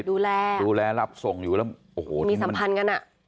ดูแลดูแลรับส่งอยู่แล้วโอ้โหมีสัมพันธ์กันอ่ะ